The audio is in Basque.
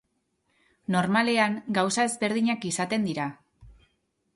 Normalean gauza ezberdinak izaten dira.